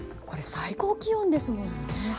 これ最高気温ですもんね。